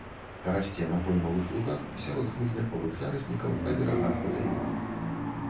Расце на поймавых лугах, сярод хмызняковых зараснікаў, па берагах вадаёмаў.